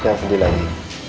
jangan sedih lagi